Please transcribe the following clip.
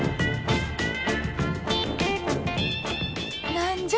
何じゃ？